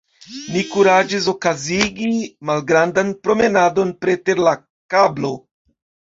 Ni kuraĝis okazigi malgrandan promenadon preter la kablo.